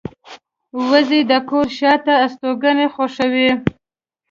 وزې د کور شاته استوګنه خوښوي